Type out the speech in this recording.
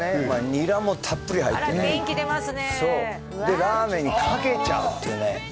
ニラもたっぷり入ってねあら元気出ますねでラーメンにかけちゃうっていうね